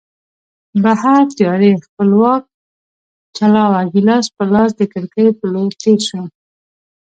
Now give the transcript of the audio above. بهر تیارې خپل واک چلاوه، ګیلاس په لاس د کړکۍ په لور تېر شوم.